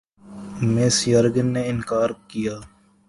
Mrs Jurgen نے اِنکار کِیا